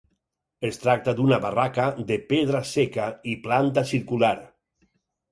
Es tracta d'una barraca de pedra seca i planta circular.